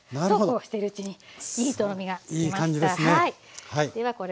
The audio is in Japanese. そうこうしているうちにいいとろみがつきました。